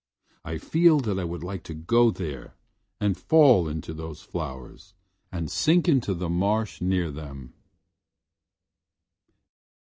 I feel that I would like to go there and fall into those flowers and sink into the marsh near them.